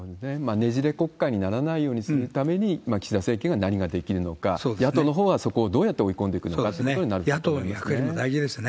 ねじれ国会にならないようにするために、岸田政権が何ができるのか、野党のほうはそこをどうやって追い込んでいくのかということになりますね。